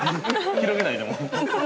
広げないで。